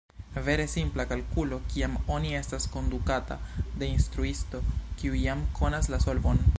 Vere simpla kalkulo, kiam oni estas kondukata de instruisto kiu jam konas la solvon.